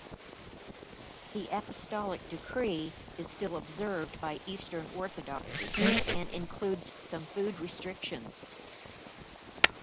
The Apostolic Decree is still observed by Eastern Orthodoxy and includes some food restrictions.